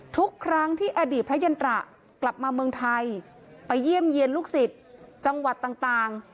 ทุกครั้งที่อดีตพระยันตระกลับมาเมืองไทยไปเยี่ยมเยี่ยนลูกศิษย์จังหวัดต่าง